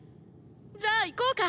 じゃあ行こうか。